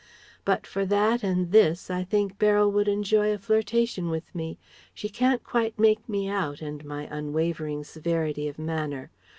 but for that and this, I think Beryl would enjoy a flirtation with me. She can't quite make me out, and my unwavering severity of manner.